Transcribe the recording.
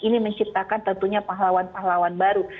ini menciptakan tentunya pahlawan pahlawan baru